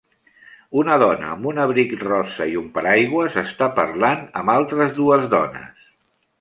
Una dona amb un abric rosa i un paraigües està parlant amb altres dues dones.